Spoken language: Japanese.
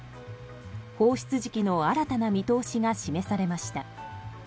放出時期の新たな見通しが示されました。